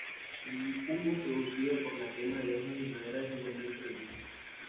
El humo producido por la quema de hojas y madera es igualmente irritante.